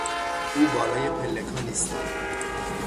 او بالای پلکان ایستاد.